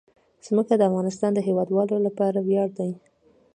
ځمکه د افغانستان د هیوادوالو لپاره ویاړ دی.